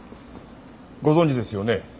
ご存じですよね？